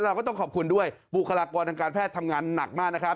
เราก็ต้องขอบคุณด้วยบุคลากรทางการแพทย์ทำงานหนักมากนะครับ